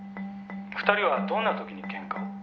２人はどんな時にケンカを？」